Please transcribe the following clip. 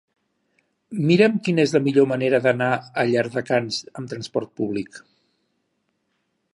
Mira'm quina és la millor manera d'anar a Llardecans amb trasport públic.